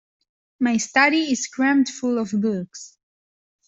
My study is crammed full of books.